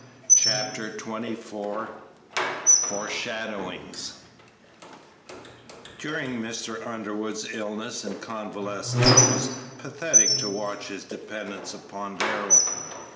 Chapter XXIV FORESHADOWINGS During Mr. Underwood's illness and convalescence it was pathetic to watch his dependence upon Darrell.